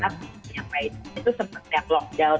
karena itu seperti lockdown